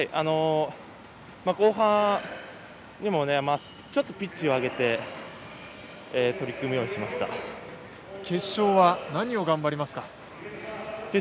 後半にもちょっとピッチを上げて決勝は、何を頑張りますか？